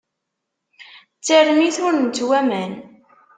D tarmit ur nettwaman.